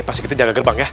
pak srikiti jaga gerbang ya